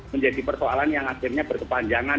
menjadi persoalan yang akhirnya berkepanjangan